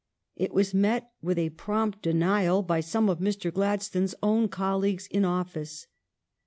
It was met with a prompt denial by some of Mr. Glad stone's own colleagues in office.